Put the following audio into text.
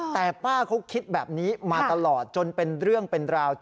แต่ป้าเขาคิดแบบนี้มาตลอดจนเป็นเรื่องเป็นราว